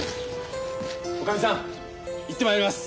おかみさん行ってまいります。